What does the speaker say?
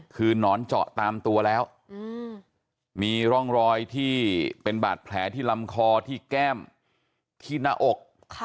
คือหนอนเจาะตามตัวแล้วมีร่องรอยที่เป็นบาดแผลที่ลำคอที่แก้มที่หน้าอก